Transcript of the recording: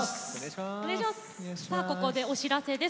さあここでお知らせです。